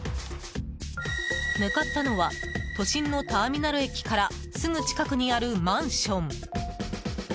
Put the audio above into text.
向かったのは都心のターミナル駅からすぐ近くにあるマンション。